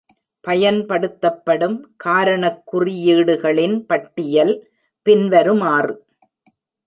பயன்படுத்தப்படும் காரணக் குறியீடுகளின் பட்டியல் பின்வருமாறு.